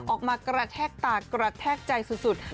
ออกมากระแทกตากระแทกใจสุด